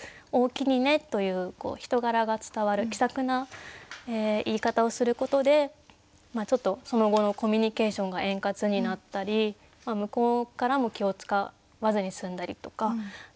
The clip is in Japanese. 「おおきにね」という人柄が伝わる気さくな言い方をすることでその後のコミュニケーションが円滑になったり向こうからも気を遣わずに済んだりとか。